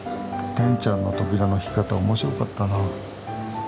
テンちゃんの扉の引き方面白かったな。